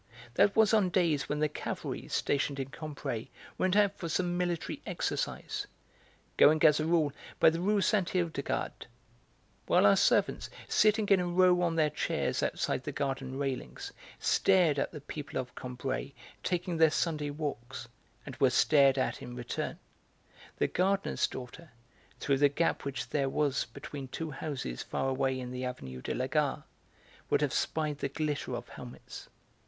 That was on days when the cavalry stationed in Combray went out for some military exercise, going as a rule by the Rue Sainte Hildegarde. While our servants, sitting in a row on their chairs outside the garden railings, stared at the people of Combray taking their Sunday walks and were stared at in return, the gardener's daughter, through the gap which there was between two houses far away in the Avenue de la Gare, would have spied the glitter of helmets.